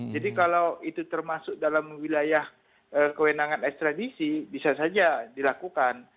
jadi kalau itu termasuk dalam wilayah kewenangan ekstradisi bisa saja dilakukan